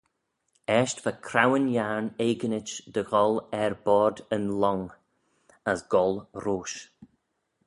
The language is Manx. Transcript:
Eisht va Craueyn Yiarn eginit dy gholl er boayrd yn lhong, as goll roish.